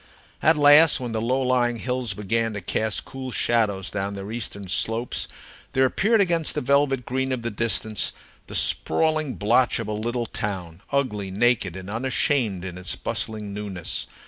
At last, when the low lying hills began to cast cool shadows down their eastern slopes, there appeared against the velvet green of the distance the sprawling blotch of a little town, ugly, naked, and unashamed in its bustling newness.